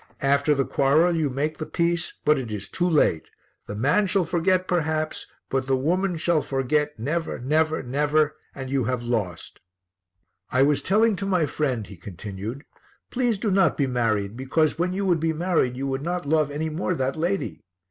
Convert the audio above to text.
After the quarrel you make the peace, but it is too late: the man shall forget, perhaps, but the woman shall forget never, never, never, and you have lost. "I was telling to my friend," he continued, "'Please do not be married, because when you would be married you would not love any more that lady.'